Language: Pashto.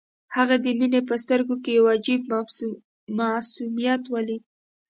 هغه د مينې په سترګو کې يو عجيب معصوميت وليد.